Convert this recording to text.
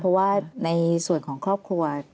เพราะว่าในส่วนของครอบครัว